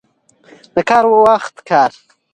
د کار وخت کار.